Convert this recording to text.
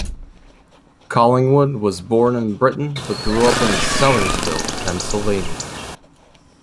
Collingwood was born in Britain but grew up in Sellersville, Pennsylvania.